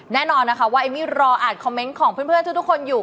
แน่นอนนะคะว่าเอมมี่รออ่านคอมเมนต์ของเพื่อนทุกคนอยู่